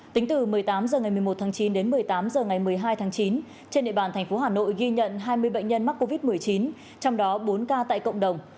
tính từ một mươi tám h ngày một mươi một tháng chín đến một mươi tám h ngày một mươi hai tháng chín trên địa bàn thành phố hà nội ghi nhận hai mươi bệnh nhân mắc covid một mươi chín trong đó bốn ca tại cộng đồng